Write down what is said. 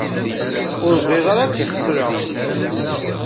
Ur bɣiɣ ara ad k-ssḥeṣleɣ.